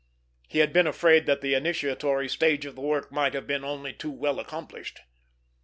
He had been afraid that the initiatory stage of the work might have been only too well accomplished.